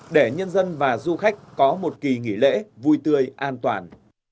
để nhân dân và du khách có một kỳ nghỉ lễ vui tươi an toàn